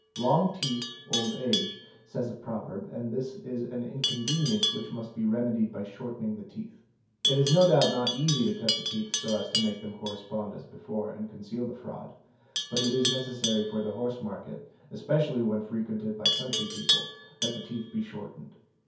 'Long teeth, old age", says a proverb and this is an incon venience which must be remedied by shortening the teeth. It is no doubt not easy to cut the teeth so as to make them correspond as before and ~ conceal the fraud, but it is necessary for the horse market, especially when frequented by country people, that the teeth be shortened.